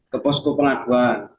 ke posko pengaduan